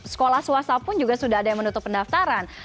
sekolah swasta pun juga sudah ada yang menutup pendaftaran